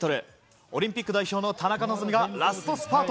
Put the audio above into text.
オリンピック代表の田中希実がラストスパート。